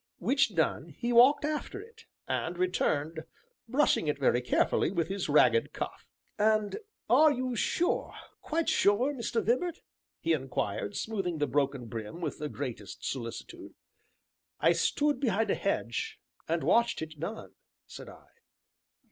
Which done, he walked after it, and returned, brushing it very carefully with his ragged cuff. "And you are sure quite sure, Mr. Vibart?" he inquired, smoothing the broken brim with the greatest solicitude. "I stood behind a hedge, and watched it done," said I.